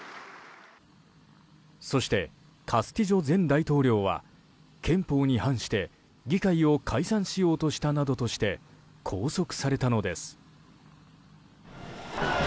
そして、カスティジョ前大統領は憲法に反して、議会を解散しようとしたなどとして拘束されたのです。